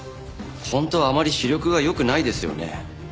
本当はあまり視力が良くないですよね？